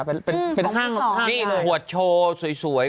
เป็นเป็นภาษาอย่างเห็นขวดโชว์สวย